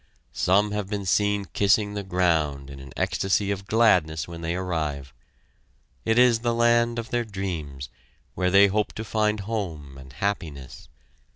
Some have been seen kissing the ground in an ecstacy of gladness when they arrive. It is the land of their dreams, where they hope to find home and happiness.